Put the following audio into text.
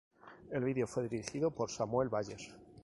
El vídeo fue dirigido por Samuel Bayer.